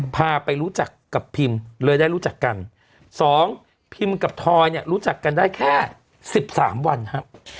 พาไปรู้จักกับพิมเลยได้รู้จักกันสองพิมพ์กับทอยเนี่ยรู้จักกันได้แค่๑๓วันครับ